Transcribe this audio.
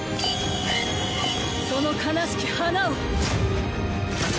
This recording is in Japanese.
その悲しき花を。